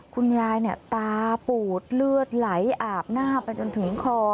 คุณยายตาปูดเลือดไหลอาบหน้าไปจนถึงคอ